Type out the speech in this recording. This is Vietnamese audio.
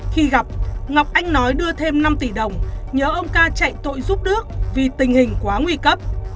khi gặp ngọc anh nói đưa thêm năm tỷ đồng nhớ ông ca chạy tội giúp đước vì tình hình quá nguy cấp